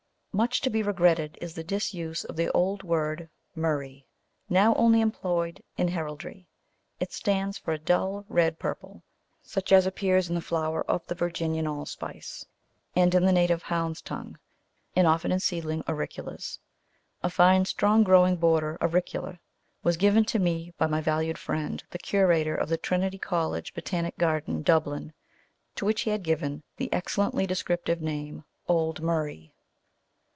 Much to be regretted is the disuse of the old word murrey, now only employed in heraldry. It stands for a dull red purple, such as appears in the flower of the Virginian Allspice, and in the native Hound's tongue, and often in seedling Auriculas. A fine strong growing border Auricula was given to me by my valued friend the Curator of the Trinity College Botanic Garden, Dublin, to which he had given the excellently descriptive name, "Old Murrey."